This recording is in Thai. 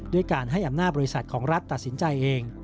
ด้วยการให้อำนาจบริษัทของรัฐตัดสินใจเอง